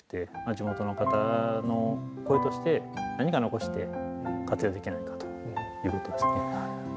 地元の方の声として、何か残して活用できないかということですね。